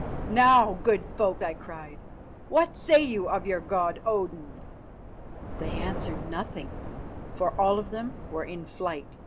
"Now, good folk," I cried, "what say you of your god Odin?" They answered nothing, for all of them were in flight.